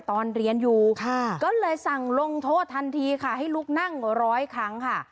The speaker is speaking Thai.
ตอนเรียนอยู่ก็เลยสั่งลงโทษทันทีค่ะให้ลุกนั่งร้อยครั้งค่ะ